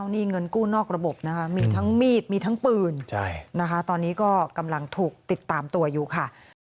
นี่เงินกู้นอกระบบนะคะมีทั้งมีดมีทั้งปืนนะคะตอนนี้ก็กำลังถูกติดตามตัวอยู่ค่ะ